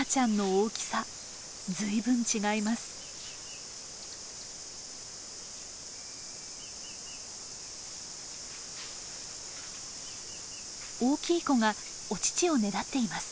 大きい子がお乳をねだっています。